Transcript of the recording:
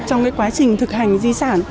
trong cái quá trình thực hành di sản